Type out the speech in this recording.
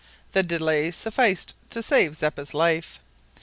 The delay sufficed to save Zeppa's life.